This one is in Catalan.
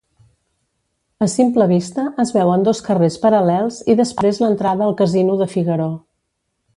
A simple vista es veuen dos carrers paral·lels i després l'entrada al casino de Figaró.